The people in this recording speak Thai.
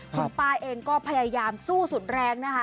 คุณป้าเองก็พยายามสู้สุดแรงนะคะ